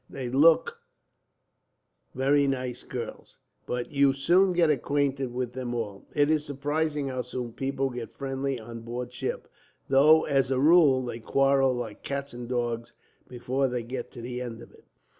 They look very nice girls. "But you soon get acquainted with them all. It is surprising how soon people get friendly on board ship, though, as a rule, they quarrel like cats and dogs before they get to the end of it."